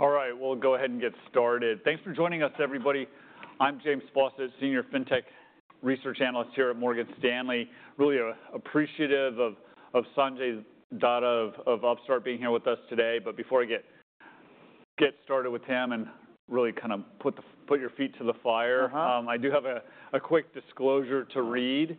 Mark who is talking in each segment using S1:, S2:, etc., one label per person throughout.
S1: All right, we'll go ahead and get started. Thanks for joining us, everybody. I'm James Fausett, Senior FinTech Research Analyst here at Morgan Stanley. Really appreciative of Sanjay Datta of Upstart being here with us today. Before I get started with him and really kind of put your feet to the fire, I do have a quick disclosure to read.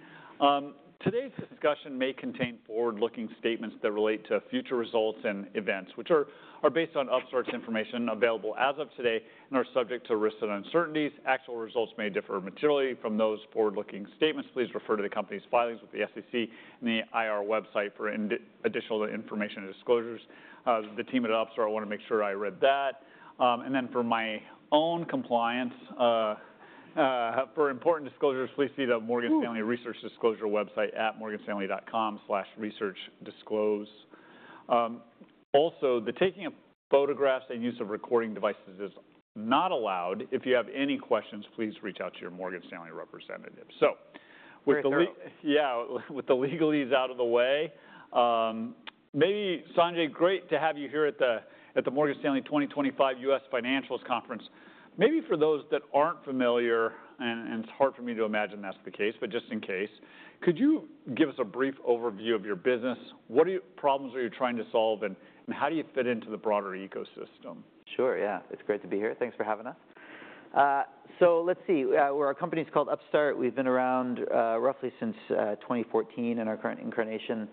S1: Today's discussion may contain forward-looking statements that relate to future results and events, which are based on Upstart's information available as of today and are subject to risks and uncertainties. Actual results may differ materially from those forward-looking statements. Please refer to the company's filings with the SEC and the IR website for additional information and disclosures. The team at Upstart, I want to make sure I read that. For my own compliance, for important disclosures, please see the Morgan Stanley Research Disclosure website at morganstanley.com/researchdisclose. Also, the taking of photographs and use of recording devices is not allowed. If you have any questions, please reach out to your Morgan Stanley representative. With the legalese out of the way, maybe, Sanjay, great to have you here at the Morgan Stanley 2025 US Financials Conference. Maybe for those that aren't familiar, and it's hard for me to imagine that's the case, but just in case, could you give us a brief overview of your business? What problems are you trying to solve, and how do you fit into the broader ecosystem?
S2: Sure, yeah. It's great to be here. Thanks for having us. Let's see. Our company is called Upstart. We've been around roughly since 2014 in our current incarnation.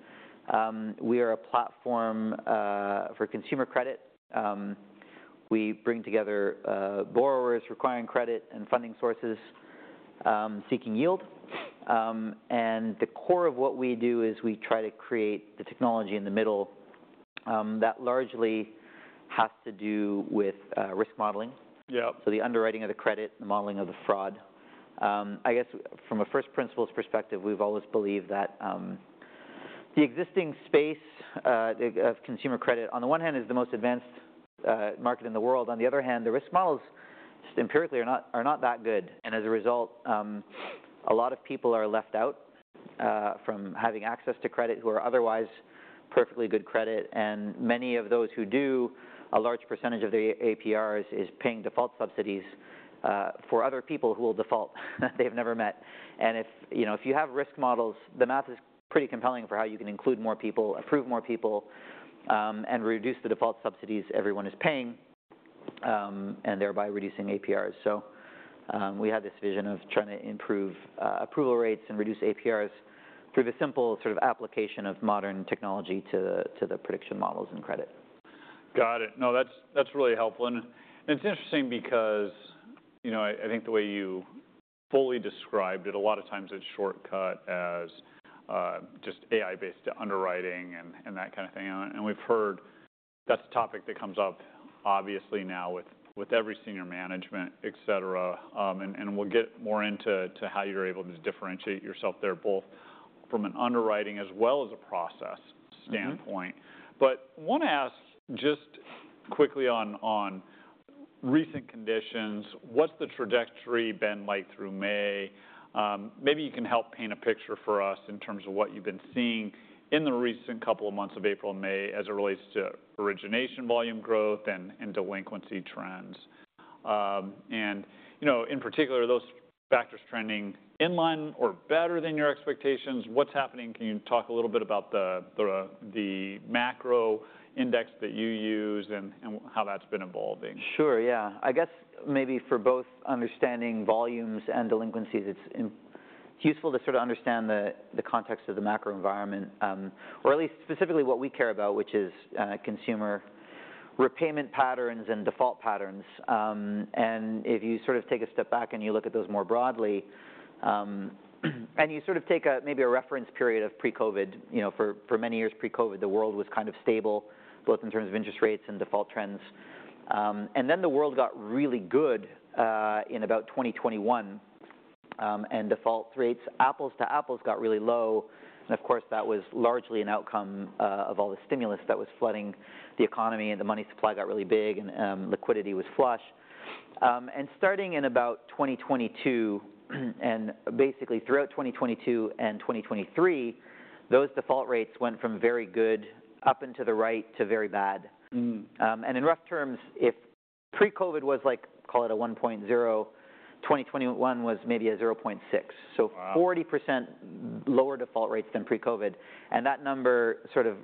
S2: We are a platform for consumer credit. We bring together borrowers requiring credit and funding sources seeking yield. The core of what we do is we try to create the technology in the middle that largely has to do with risk modeling. The underwriting of the credit, the modeling of the fraud. I guess from a first principles perspective, we've always believed that the existing space of consumer credit, on the one hand, is the most advanced market in the world. On the other hand, the risk models just empirically are not that good. As a result, a lot of people are left out from having access to credit who are otherwise perfectly good credit. Many of those who do, a large percentage of their APRS is paying default subsidies for other people who will default they've never met. If you have risk models, the math is pretty compelling for how you can include more people, approve more people, and reduce the default subsidies everyone is paying, and thereby reducing APRS. We had this vision of trying to improve approval rates and reduce APRS through the simple sort of application of modern technology to the prediction models and credit.
S1: Got it. No, that's really helpful. It's interesting because I think the way you fully described it, a lot of times it's shortcut as just AI-based underwriting and that kind of thing. We've heard that's a topic that comes up obviously now with every senior management, et cetera. We'll get more into how you're able to differentiate yourself there both from an underwriting as well as a process standpoint. I want to ask just quickly on recent conditions, what's the trajectory been like through May? Maybe you can help paint a picture for us in terms of what you've been seeing in the recent couple of months of April and May as it relates to origination volume growth and delinquency trends. In particular, those factors trending inline or better than your expectations, what's happening? Can you talk a little bit about the macro index that you use and how that's been evolving?
S2: Sure, yeah. I guess maybe for both understanding volumes and delinquencies, it's useful to sort of understand the context of the macro environment, or at least specifically what we care about, which is consumer repayment patterns and default patterns. If you sort of take a step back and you look at those more broadly, and you sort of take maybe a reference period of pre-COVID, for many years pre-COVID, the world was kind of stable both in terms of interest rates and default trends. The world got really good in about 2021, and default rates, apples to apples, got really low. Of course, that was largely an outcome of all the stimulus that was flooding the economy, and the money supply got really big, and liquidity was flush. Starting in about 2022, and basically throughout 2022 and 2023, those default rates went from very good up into the right to very bad. In rough terms, if pre-COVID was like, call it a 1.0, 2021 was maybe a 0.6. So 40% lower default rates than pre-COVID. That number sort of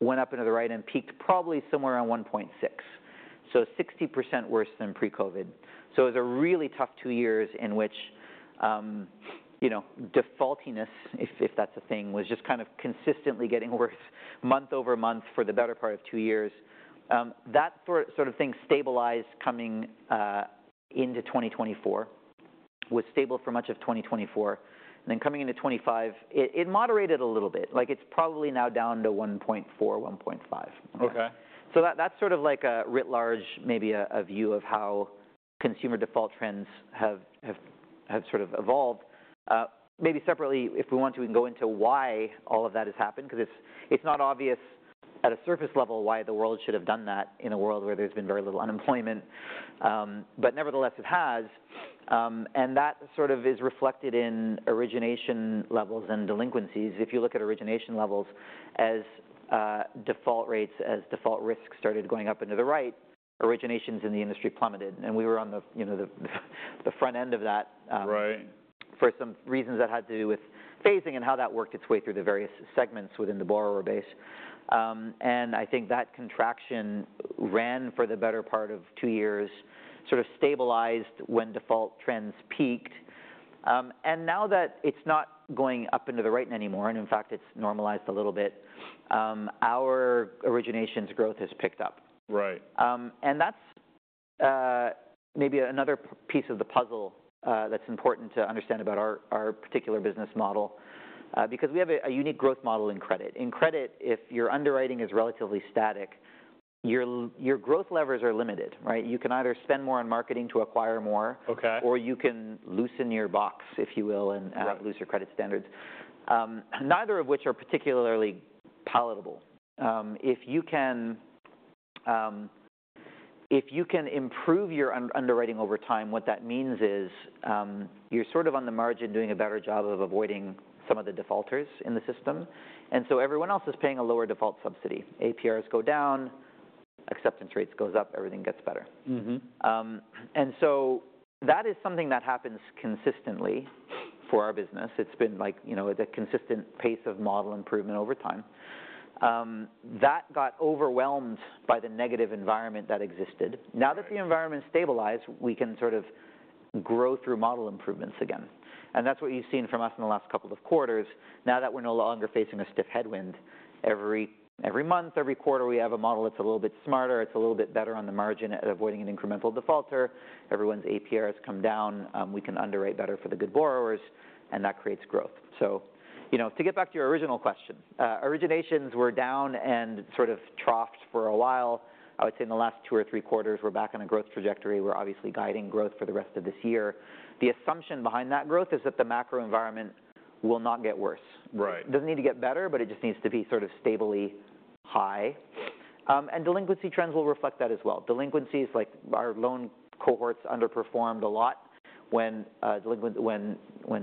S2: went up into the right and peaked probably somewhere around 1.6. So 60% worse than pre-COVID. It was a really tough two years in which defaultiness, if that's a thing, was just kind of consistently getting worse month over month for the better part of two years. That sort of thing stabilized coming into 2024, was stable for much of 2024. Coming into 2025, it moderated a little bit. It's probably now down to 1.4 to 1.5. That's sort of like a writ large maybe a view of how consumer default trends have sort of evolved. Maybe separately, if we want to, we can go into why all of that has happened, because it's not obvious at a surface level why the world should have done that in a world where there's been very little unemployment. Nevertheless, it has. That sort of is reflected in origination levels and delinquencies. If you look at origination levels, as default rates, as default risks started going up into the right, originations in the industry plummeted. We were on the front end of that for some reasons that had to do with phasing and how that worked its way through the various segments within the borrower base. I think that contraction ran for the better part of two years, sort of stabilized when default trends peaked. Now that it's not going up into the right anymore, and in fact, it's normalized a little bit, our originations growth has picked up. That's maybe another piece of the puzzle that's important to understand about our particular business model, because we have a unique growth model in credit. In credit, if your underwriting is relatively static, your growth levers are limited. You can either spend more on marketing to acquire more, or you can loosen your box, if you will, and have looser credit standards, neither of which are particularly palatable. If you can improve your underwriting over time, what that means is you're sort of on the margin doing a better job of avoiding some of the defaulters in the system. Everyone else is paying a lower default subsidy. APRS go down, acceptance rates go up, everything gets better. That is something that happens consistently for our business. It's been like a consistent pace of model improvement over time. That got overwhelmed by the negative environment that existed. Now that the environment stabilized, we can sort of grow through model improvements again. That is what you've seen from us in the last couple of quarters. Now that we're no longer facing a stiff headwind, every month, every quarter, we have a model that's a little bit smarter, it's a little bit better on the margin at avoiding an incremental defaulter. Everyone's APRS come down, we can underwrite better for the good borrowers, and that creates growth. To get back to your original question, originations were down and sort of troughed for a while. I would say in the last two or three quarters, we're back on a growth trajectory. We're obviously guiding growth for the rest of this year. The assumption behind that growth is that the macro environment will not get worse. It doesn't need to get better, but it just needs to be sort of stably high. Delinquency trends will reflect that as well. Delinquencies, like our loan cohorts, underperformed a lot when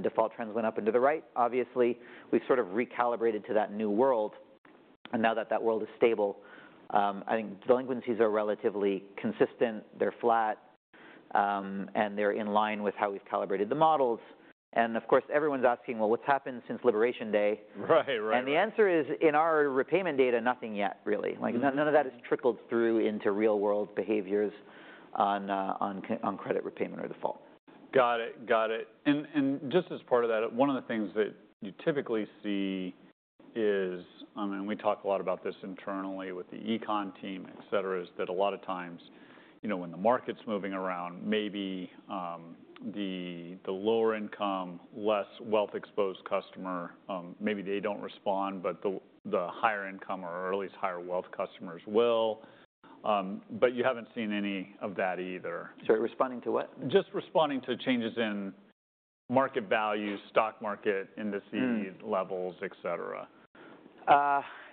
S2: default trends went up into the right. Obviously, we've sort of recalibrated to that new world. Now that that world is stable, I think delinquencies are relatively consistent, they're flat, and they're in line with how we've calibrated the models. Of course, everyone's asking, well, what's happened since Liberation Day? The answer is, in our repayment data, nothing yet, really. None of that has trickled through into real-world behaviors on credit repayment or default.
S1: Got it. Got it. And just as part of that, one of the things that you typically see is, and we talk a lot about this internally with the econ team, et cetera, is that a lot of times when the market's moving around, maybe the lower-income, less wealth-exposed customer, maybe they do not respond, but the higher-income or at least higher-wealth customers will. But you have not seen any of that either.
S2: Sorry, responding to what?
S1: Just responding to changes in market values, stock market, indices levels, et cetera.
S2: Yeah,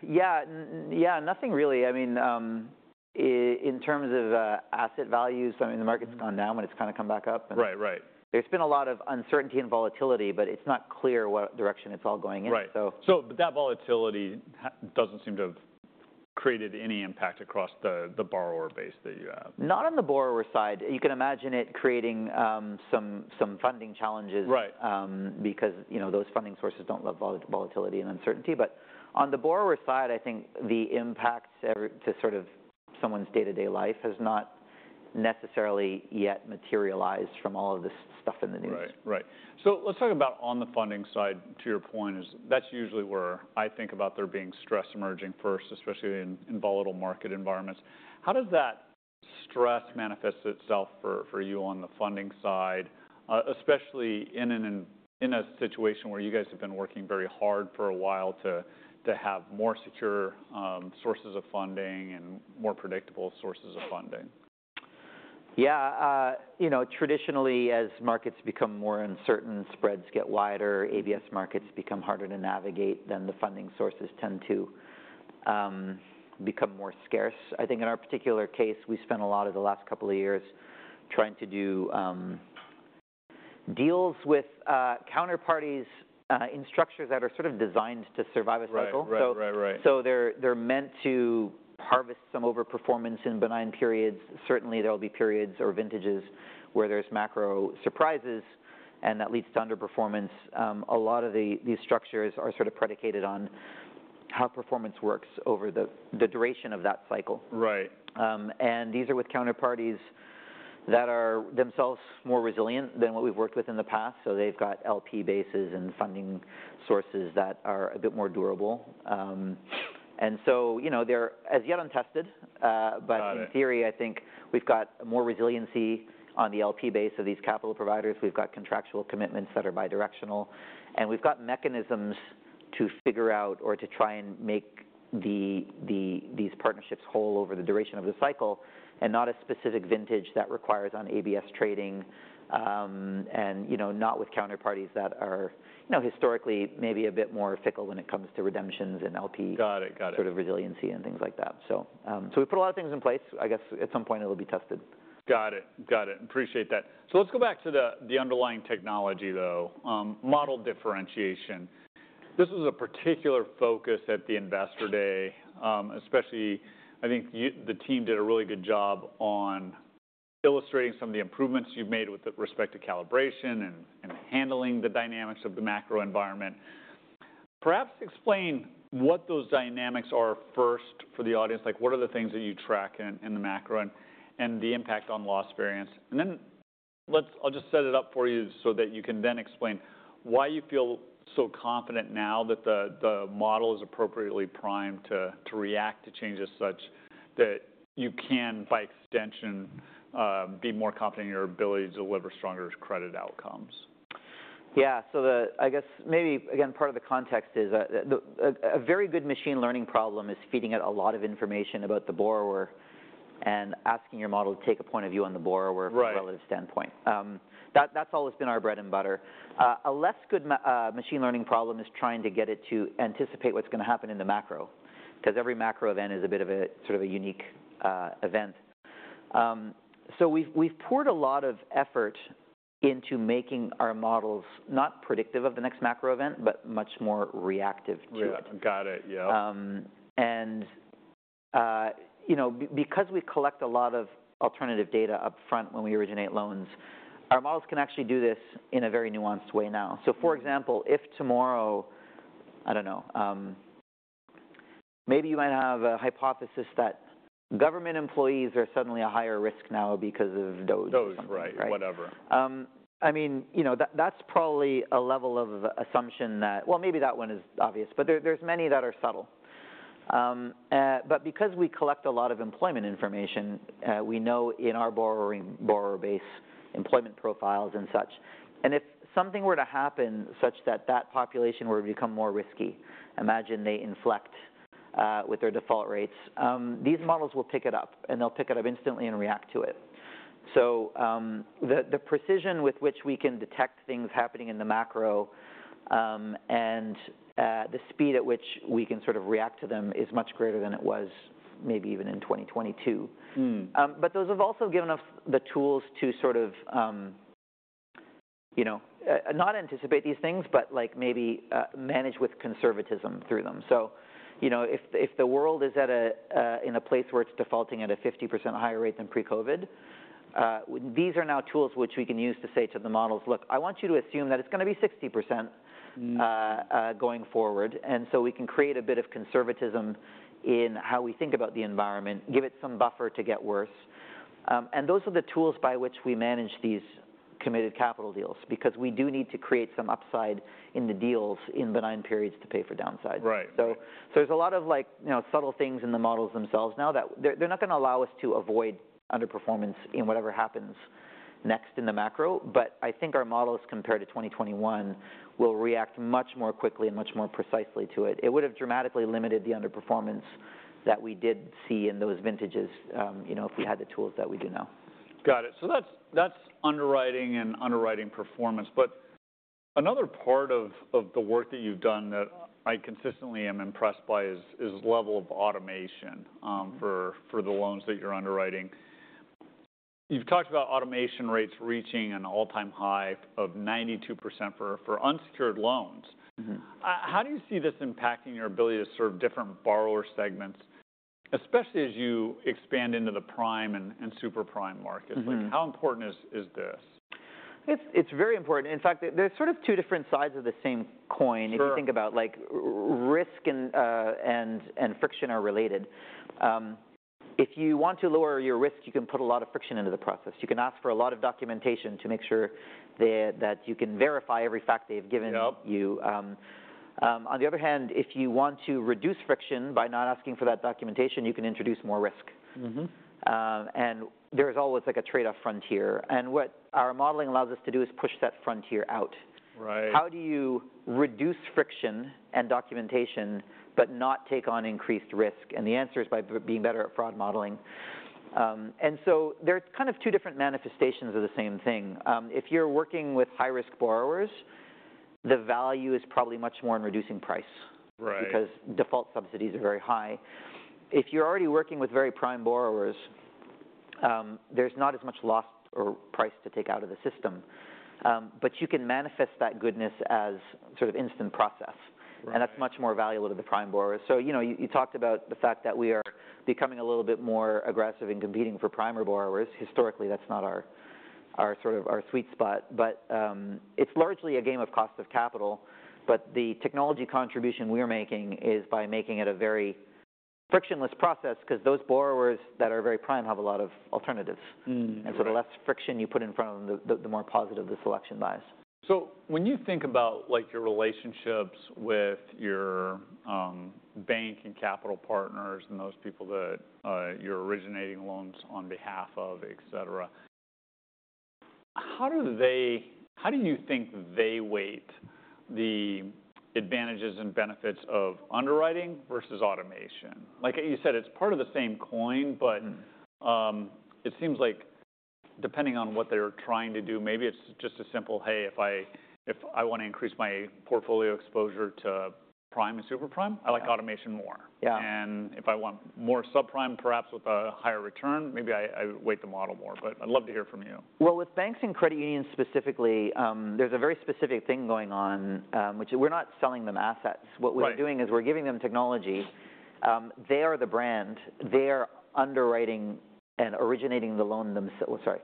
S2: yeah, nothing really. I mean, in terms of asset values, I mean, the market's gone down, but it's kind of come back up. There's been a lot of uncertainty and volatility, but it's not clear what direction it's all going in.
S1: Right. So that volatility doesn't seem to have created any impact across the borrower base that you have.
S2: Not on the borrower side. You can imagine it creating some funding challenges because those funding sources do not love volatility and uncertainty. On the borrower side, I think the impact to sort of someone's day-to-day life has not necessarily yet materialized from all of this stuff in the news.
S1: Right. Right. Let's talk about on the funding side. To your point, that's usually where I think about there being stress emerging first, especially in volatile market environments. How does that stress manifest itself for you on the funding side, especially in a situation where you guys have been working very hard for a while to have more secure sources of funding and more predictable sources of funding?
S2: Yeah. Traditionally, as markets become more uncertain, spreads get wider, ABS markets become harder to navigate, then the funding sources tend to become more scarce. I think in our particular case, we spent a lot of the last couple of years trying to do deals with counterparties in structures that are sort of designed to survive a cycle. They are meant to harvest some overperformance in benign periods. Certainly, there will be periods or vintages where there are macro surprises, and that leads to underperformance. A lot of these structures are sort of predicated on how performance works over the duration of that cycle. These are with counterparties that are themselves more resilient than what we have worked with in the past. They have got LP bases and funding sources that are a bit more durable. They are as yet untested. In theory, I think we've got more resiliency on the LP base of these capital providers. We've got contractual commitments that are bidirectional. We've got mechanisms to figure out or to try and make these partnerships whole over the duration of the cycle and not a specific vintage that requires on ABS trading and not with counterparties that are historically maybe a bit more fickle when it comes to redemptions and LP sort of resiliency and things like that. We put a lot of things in place. I guess at some point it'll be tested.
S1: Got it. Got it. Appreciate that. Let's go back to the underlying technology, though, model differentiation. This was a particular focus at the investor day, especially I think the team did a really good job on illustrating some of the improvements you've made with respect to calibration and handling the dynamics of the macro environment. Perhaps explain what those dynamics are first for the audience. What are the things that you track in the macro and the impact on loss variance? I'll just set it up for you so that you can then explain why you feel so confident now that the model is appropriately primed to react to changes such that you can, by extension, be more confident in your ability to deliver stronger credit outcomes.
S2: Yeah. I guess maybe, again, part of the context is a very good machine learning problem is feeding it a lot of information about the borrower and asking your model to take a point of view on the borrower from a relative standpoint. That's always been our bread and butter. A less good machine learning problem is trying to get it to anticipate what's going to happen in the macro, because every macro event is a bit of a sort of unique event. We’ve poured a lot of effort into making our models not predictive of the next macro event, but much more reactive to it.
S1: Got it. Yeah.
S2: Because we collect a lot of alternative data upfront when we originate loans, our models can actually do this in a very nuanced way now. For example, if tomorrow, I do not know, maybe you might have a hypothesis that government employees are suddenly a higher risk now because of DOGE.
S1: DOGE, right, whatever.
S2: I mean, that's probably a level of assumption that, well, maybe that one is obvious, but there are many that are subtle. Because we collect a lot of employment information, we know in our borrower base employment profiles and such. If something were to happen such that that population were to become more risky, imagine they inflect with their default rates, these models will pick it up, and they'll pick it up instantly and react to it. The precision with which we can detect things happening in the macro and the speed at which we can sort of react to them is much greater than it was maybe even in 2022. Those have also given us the tools to sort of not anticipate these things, but maybe manage with conservatism through them. If the world is in a place where it's defaulting at a 50% higher rate than pre-COVID, these are now tools which we can use to say to the models, "Look, I want you to assume that it's going to be 60% going forward." We can create a bit of conservatism in how we think about the environment, give it some buffer to get worse. Those are the tools by which we manage these committed capital deals, because we do need to create some upside in the deals in benign periods to pay for downside. There are a lot of subtle things in the models themselves now that they're not going to allow us to avoid underperformance in whatever happens next in the macro. I think our models, compared to 2021, will react much more quickly and much more precisely to it. It would have dramatically limited the underperformance that we did see in those vintages if we had the tools that we do now.
S1: Got it. So that's underwriting and underwriting performance. But another part of the work that you've done that I consistently am impressed by is the level of automation for the loans that you're underwriting. You've talked about automation rates reaching an all-time high of 92% for unsecured loans. How do you see this impacting your ability to serve different borrower segments, especially as you expand into the prime and super prime markets? How important is this?
S2: It's very important. In fact, there's sort of two different sides of the same coin. If you think about risk and friction are related, if you want to lower your risk, you can put a lot of friction into the process. You can ask for a lot of documentation to make sure that you can verify every fact they've given you. On the other hand, if you want to reduce friction by not asking for that documentation, you can introduce more risk. There is always a trade-off frontier. What our modeling allows us to do is push that frontier out. How do you reduce friction and documentation, but not take on increased risk? The answer is by being better at fraud modeling. There are kind of two different manifestations of the same thing. If you're working with high-risk borrowers, the value is probably much more in reducing price, because default subsidies are very high. If you're already working with very prime borrowers, there's not as much loss or price to take out of the system. You can manifest that goodness as sort of instant process. That's much more valuable to the prime borrowers. You talked about the fact that we are becoming a little bit more aggressive in competing for prime borrowers. Historically, that's not our sweet spot. It's largely a game of cost of capital. The technology contribution we're making is by making it a very frictionless process, because those borrowers that are very prime have a lot of alternatives. The less friction you put in front of them, the more positive the selection lies.
S1: When you think about your relationships with your bank and capital partners and those people that you're originating loans on behalf of, et cetera, how do you think they weight the advantages and benefits of underwriting versus automation? Like you said, it's part of the same coin, but it seems like depending on what they're trying to do, maybe it's just as simple, "Hey, if I want to increase my portfolio exposure to prime and super prime, I like automation more." If I want more subprime, perhaps with a higher return, maybe I weight the model more. I'd love to hear from you.
S2: With banks and credit unions specifically, there is a very specific thing going on, which is we're not selling them assets. What we're doing is we're giving them technology. They are the brand. They are underwriting and originating the loan themselves. Sorry.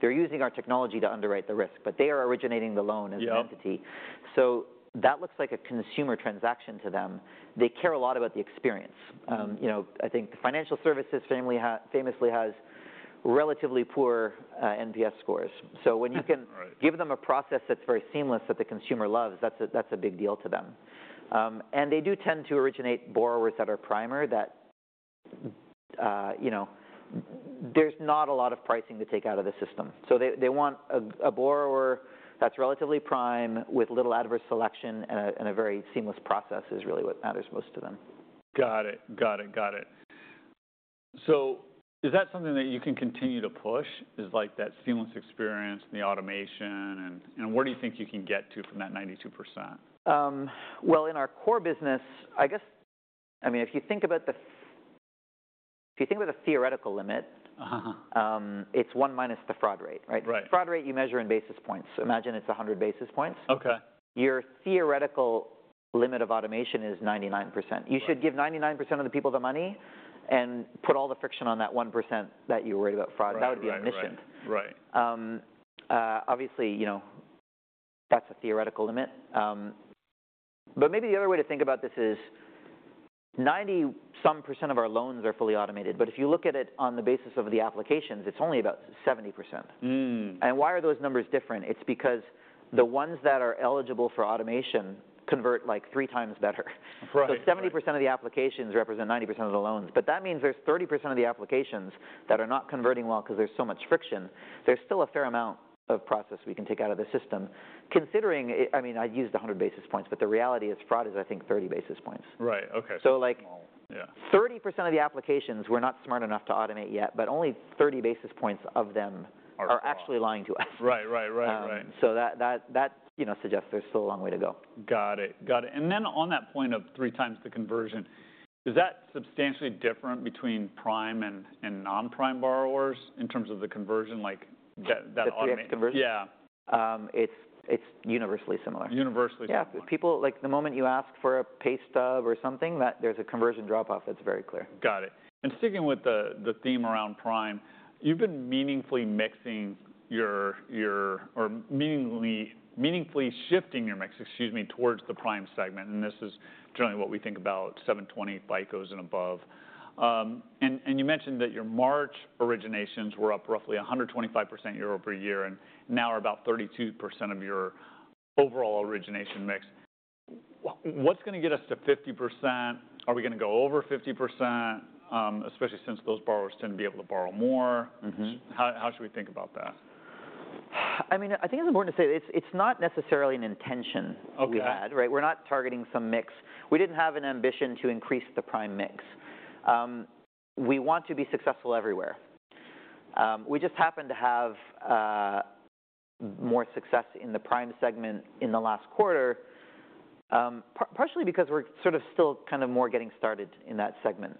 S2: They're using our technology to underwrite the risk, but they are originating the loan as an entity. That looks like a consumer transaction to them. They care a lot about the experience. I think the financial services family famously has relatively poor NPS scores. When you can give them a process that's very seamless that the consumer loves, that's a big deal to them. They do tend to originate borrowers that are primer, that there's not a lot of pricing to take out of the system. They want a borrower that's relatively prime with little adverse selection and a very seamless process is really what matters most to them.
S1: Got it. So is that something that you can continue to push, is that seamless experience and the automation? And where do you think you can get to from that 92%?
S2: In our core business, I guess, I mean, if you think about the theoretical limit, it's one minus the fraud rate, right? Fraud rate you measure in basis points. Imagine it's 100 basis points. Your theoretical limit of automation is 99%. You should give 99% of the people the money and put all the friction on that 1% that you're worried about fraud. That would be an issue. Obviously, that's a theoretical limit. Maybe the other way to think about this is 90-some percent of our loans are fully automated. If you look at it on the basis of the applications, it's only about 70%. Why are those numbers different? It's because the ones that are eligible for automation convert three times better. 70% of the applications represent 90% of the loans. That means there's 30% of the applications that are not converting well because there's so much friction. There's still a fair amount of process we can take out of the system. I mean, I used 100 basis points, but the reality is fraud is, I think, 30 basis points. So 30% of the applications we're not smart enough to automate yet, but only 30 basis points of them are actually lying to us. That suggests there's still a long way to go.
S1: Got it. Got it. On that point of three times the conversion, is that substantially different between prime and non-prime borrowers in terms of the conversion?
S2: That's the conversion?
S1: Yeah.
S2: It's universally similar.
S1: Universally similar.
S2: Yeah. The moment you ask for a pay stub or something, there's a conversion drop-off that's very clear.
S1: Got it. Sticking with the theme around prime, you've been meaningfully shifting your mix, excuse me, towards the prime segment. This is generally what we think about, 720 FICO scores and above. You mentioned that your March originations were up roughly 125% year over year and now are about 32% of your overall origination mix. What's going to get us to 50%? Are we going to go over 50%, especially since those borrowers tend to be able to borrow more? How should we think about that?
S2: I mean, I think it's important to say it's not necessarily an intention we had, right? We're not targeting some mix. We didn't have an ambition to increase the prime mix. We want to be successful everywhere. We just happen to have more success in the prime segment in the last quarter, partially because we're sort of still kind of more getting started in that segment.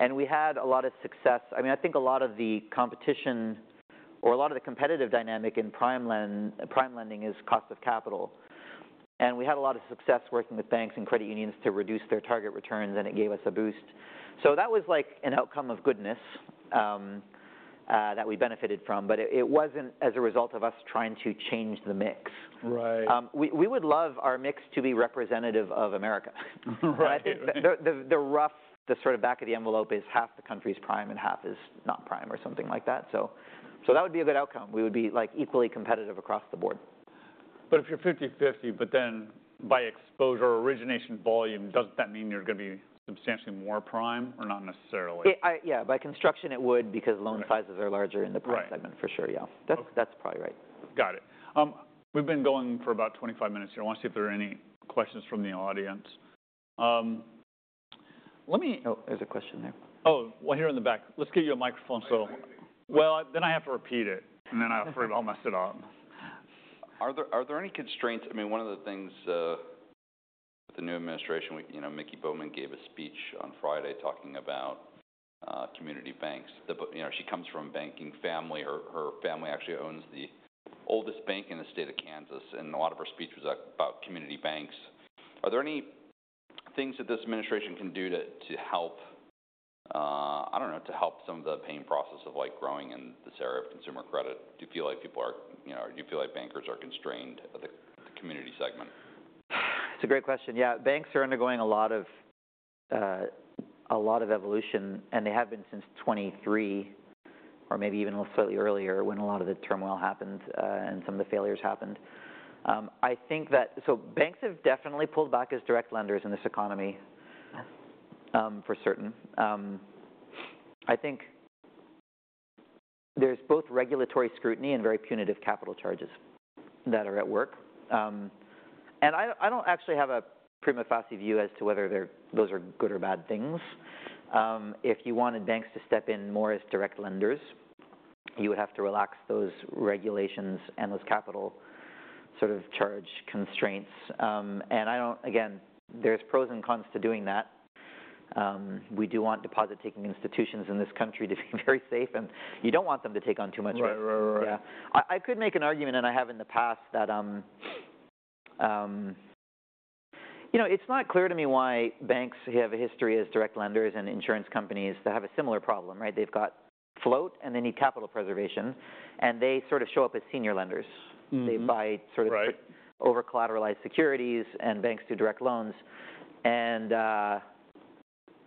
S2: And we had a lot of success. I mean, I think a lot of the competition or a lot of the competitive dynamic in prime lending is cost of capital. And we had a lot of success working with banks and credit unions to reduce their target returns, and it gave us a boost. That was like an outcome of goodness that we benefited from. It wasn't as a result of us trying to change the mix. We would love our mix to be representative of America. I think the rough, the sort of back of the envelope is half the country's prime and half is not prime or something like that. That would be a good outcome. We would be equally competitive across the board.
S1: If you're 50/50, but then by exposure, origination volume, doesn't that mean you're going to be substantially more prime or not necessarily?
S2: Yeah. By construction, it would, because loan sizes are larger in the prime segment, for sure. Yeah. That's probably right.
S1: Got it. We've been going for about 25-minutes here. I want to see if there are any questions from the audience.
S2: Oh, there's a question there.
S1: Oh, here in the back. Let's give you a microphone. Then I have to repeat it, and then I'll mess it up. Are there any constraints? I mean, one of the things with the new administration, Michelle Bowman gave a speech on Friday talking about community banks. She comes from a banking family. Her family actually owns the oldest bank in the state of Kansas. A lot of her speech was about community banks. Are there any things that this administration can do to help, I do not know, to help some of the pain process of growing in this area of consumer credit? Do you feel like people are—do you feel like bankers are constrained at the community segment?
S2: It's a great question. Yeah. Banks are undergoing a lot of evolution, and they have been since 2023 or maybe even slightly earlier when a lot of the turmoil happened and some of the failures happened. I think that, so banks have definitely pulled back as direct lenders in this economy, for certain. I think there's both regulatory scrutiny and very punitive capital charges that are at work. I don't actually have a prima facie view as to whether those are good or bad things. If you wanted banks to step in more as direct lenders, you would have to relax those regulations and those capital sort of charge constraints. Again, there's pros and cons to doing that. We do want deposit-taking institutions in this country to be very safe, and you don't want them to take on too much risk. Yeah. I could make an argument, and I have in the past, that it's not clear to me why banks have a history as direct lenders and insurance companies that have a similar problem, right? They've got float and they need capital preservation. And they sort of show up as senior lenders. They buy sort of over-collateralized securities, and banks do direct loans.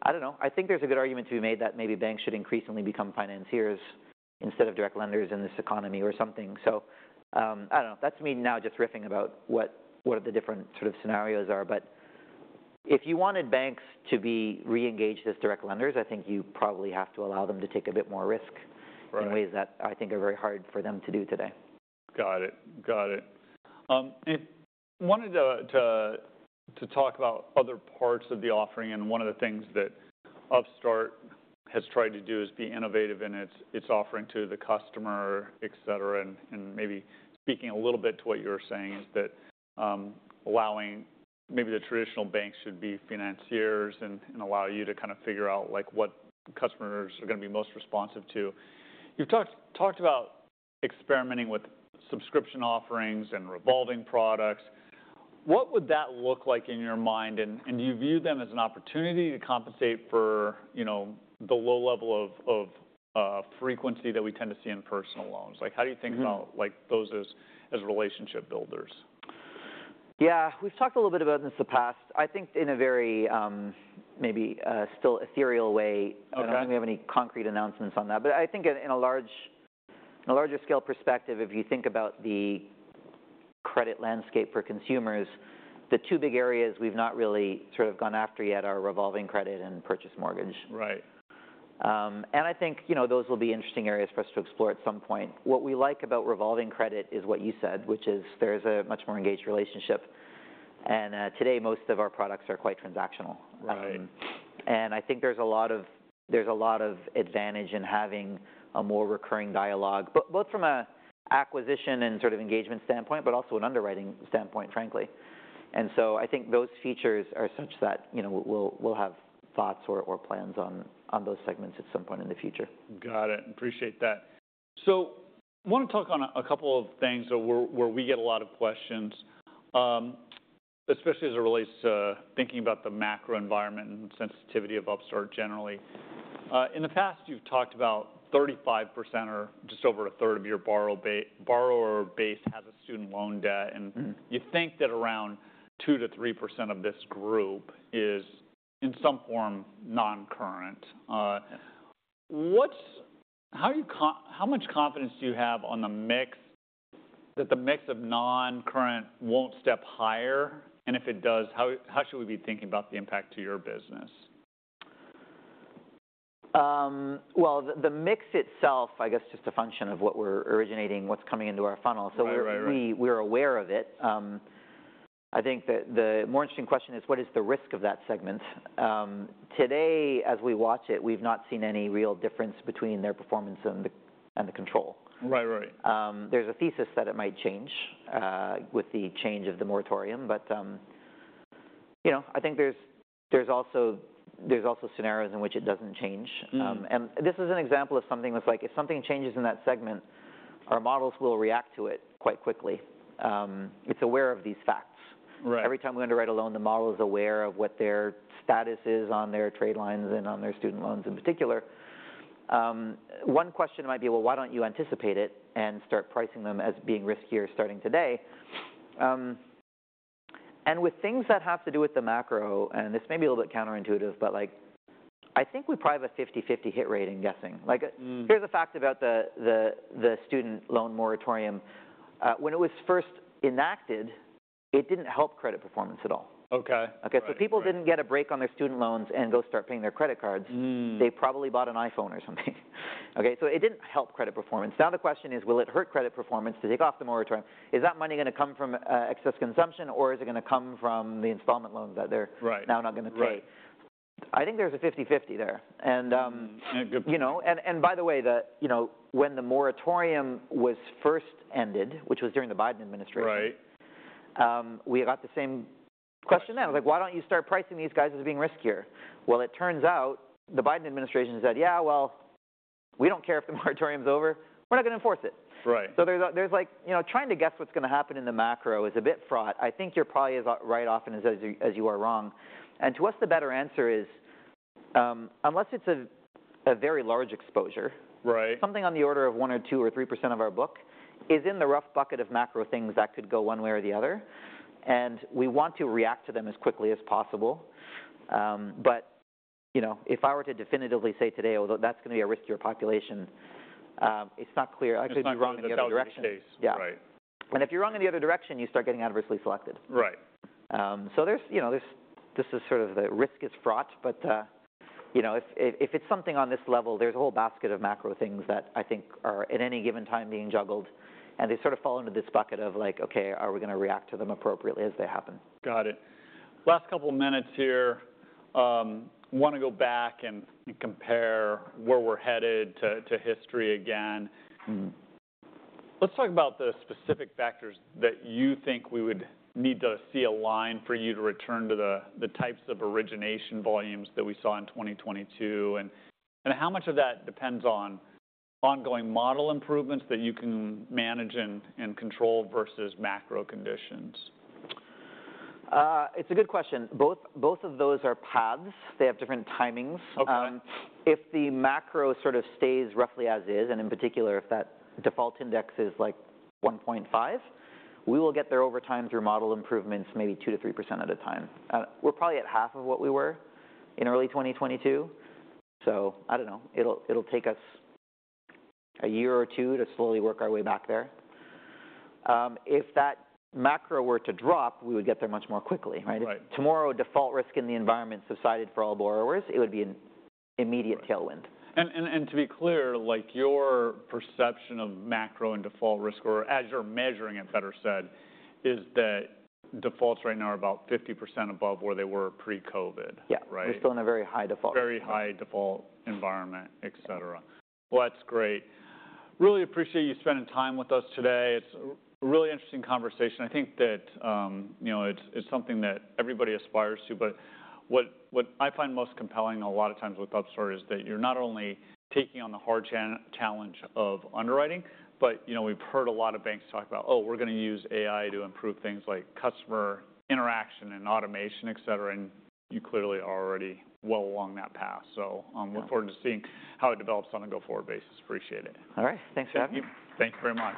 S2: I don't know. I think there's a good argument to be made that maybe banks should increasingly become financiers instead of direct lenders in this economy or something. I don't know. That's me now just riffing about what the different sort of scenarios are. If you wanted banks to be re-engaged as direct lenders, I think you probably have to allow them to take a bit more risk in ways that I think are very hard for them to do today.
S1: Got it. Got it. I wanted to talk about other parts of the offering. One of the things that Upstart has tried to do is be innovative in its offering to the customer, et cetera. Maybe speaking a little bit to what you were saying is that allowing maybe the traditional banks should be financiers and allow you to kind of figure out what customers are going to be most responsive to. You've talked about experimenting with subscription offerings and revolving products. What would that look like in your mind? Do you view them as an opportunity to compensate for the low level of frequency that we tend to see in personal loans? How do you think about those as relationship builders?
S2: Yeah. We've talked a little bit about this in the past, I think in a very maybe still ethereal way. I don't think we have any concrete announcements on that. I think in a larger scale perspective, if you think about the credit landscape for consumers, the two big areas we've not really sort of gone after yet are revolving credit and purchase mortgage. I think those will be interesting areas for us to explore at some point. What we like about revolving credit is what you said, which is there's a much more engaged relationship. Today, most of our products are quite transactional. I think there's a lot of advantage in having a more recurring dialogue, both from an acquisition and sort of engagement standpoint, but also an underwriting standpoint, frankly. I think those features are such that we'll have thoughts or plans on those segments at some point in the future.
S1: Got it. Appreciate that. I want to talk on a couple of things where we get a lot of questions, especially as it relates to thinking about the macro environment and sensitivity of Upstart generally. In the past, you've talked about 35% or just over a third of your borrower base has a student loan debt. You think that around 2%-3% of this group is in some form non-current. How much confidence do you have on the mix that the mix of non-current won't step higher? If it does, how should we be thinking about the impact to your business?
S2: The mix itself, I guess, is just a function of what we're originating, what's coming into our funnel. We are aware of it. I think the more interesting question is, what is the risk of that segment? Today, as we watch it, we've not seen any real difference between their performance and the control. There's a thesis that it might change with the change of the moratorium. I think there are also scenarios in which it doesn't change. This is an example of something that's like, if something changes in that segment, our models will react to it quite quickly. It's aware of these facts. Every time we underwrite a loan, the model is aware of what their status is on their trade lines and on their student loans in particular. One question might be, why do not you anticipate it and start pricing them as being riskier starting today? With things that have to do with the macro, and this may be a little bit counterintuitive, but I think we probably have a 50/50 hit rate in guessing. Here is a fact about the student loan moratorium. When it was first enacted, it did not help credit performance at all. People did not get a break on their student loans and go start paying their credit cards. They probably bought an iPhone or something. It did not help credit performance. Now the question is, will it hurt credit performance to take off the moratorium? Is that money going to come from excess consumption, or is it going to come from the installment loans that they are now not going to pay? I think there is a 50/50 there. By the way, when the moratorium was first ended, which was during the Biden administration, we got the same question then. I was like, why do not you start pricing these guys as being riskier? It turns out the Biden administration said, yeah, we do not care if the moratorium is over. We are not going to enforce it. Trying to guess what is going to happen in the macro is a bit fraught. I think you are probably right as often as you are wrong. To us, the better answer is, unless it is a very large exposure, something on the order of 1%-2%-3% of our book is in the rough bucket of macro things that could go one way or the other. We want to react to them as quickly as possible. If I were to definitively say today, although that's going to be a riskier population, it's not clear. I could be wrong in the other direction.
S1: It's not the best case, right.
S2: If you're wrong in the other direction, you start getting adversely selected. This is sort of the risk is fraught. If it's something on this level, there's a whole basket of macro things that I think are at any given time being juggled. They sort of fall into this bucket of like, okay, are we going to react to them appropriately as they happen?
S1: Got it. Last couple of minutes here. I want to go back and compare where we're headed to history again. Let's talk about the specific factors that you think we would need to see align for you to return to the types of origination volumes that we saw in 2022. How much of that depends on ongoing model improvements that you can manage and control versus macro conditions?
S2: It's a good question. Both of those are paths. They have different timings. If the macro sort of stays roughly as is, and in particular, if that default index is like 1.5, we will get there over time through model improvements, maybe 2%-3% at a time. We're probably at half of what we were in early 2022. I don't know. It'll take us a year or two to slowly work our way back there. If that macro were to drop, we would get there much more quickly, right? Tomorrow, default risk in the environment subsided for all borrowers. It would be an immediate tailwind.
S1: To be clear, your perception of macro and default risk, or as you're measuring it, better said, is that defaults right now are about 50% above where they were pre-COVID, right?
S2: Yeah. We're still in a very high default.
S1: Very high default environment, et cetera. That's great. Really appreciate you spending time with us today. It's a really interesting conversation. I think that it's something that everybody aspires to. What I find most compelling a lot of times with Upstart is that you're not only taking on the hard challenge of underwriting, but we've heard a lot of banks talk about, oh, we're going to use AI to improve things like customer interaction and automation, et cetera. You clearly are already well along that path. I'm looking forward to seeing how it develops on a go-forward basis. Appreciate it.
S2: All right. Thanks for having me.
S1: Thank you very much.